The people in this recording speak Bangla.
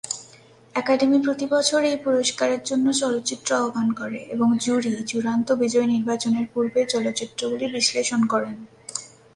অ্যাকাডেমি প্রতি বছর এই পুরস্কারের জন্য চলচ্চিত্র আহ্বান করে এবং জুরি চূড়ান্ত বিজয়ী নির্বাচনের পূর্বে চলচ্চিত্রগুলি বিশ্লেষণ করেন।